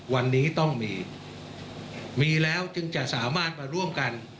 วันนี้ต้องมีมีแล้วจึงจะสามารถมาร่วมกัน